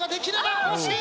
あ惜しい！